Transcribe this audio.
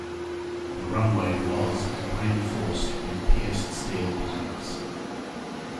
The runway was and reinforced with pierced steel planks.